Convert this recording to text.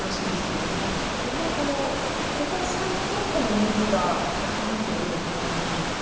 やはりここ最近、この人気が高まっているということなんでしょうか。